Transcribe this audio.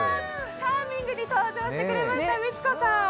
チャーミングに登場してくれました光子さん。